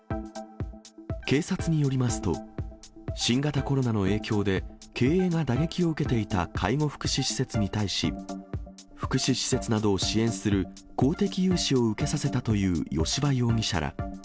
警察によりますと、新型コロナの影響で経営が打撃を受けていた介護福祉施設に対し、福祉施設などを支援する公的融資を受けさせたという吉羽容疑者ら。